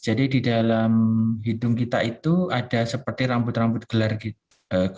jadi di dalam hidung kita itu ada seperti rambut rambut gelar gitu